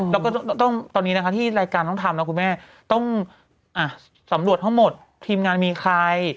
แล้วก็ต้องตอนนี้นะคะที่รายการต้องทำนะคุณแม่ต้องสำรวจทั้งหมดทีมงานมีใคร